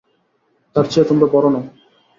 তার চেয়ে তোমরা বড় নও।